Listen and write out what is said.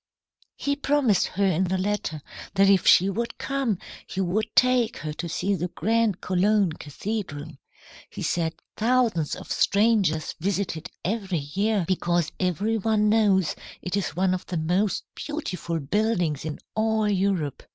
"He promised her in the letter that if she would come, he would take her to see the grand Cologne cathedral. He said thousands of strangers visit it every year, because every one knows it is one of the most beautiful buildings in all Europe.